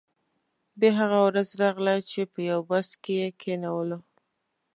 بیا هغه ورځ راغله چې په یو بس کې یې کینولو.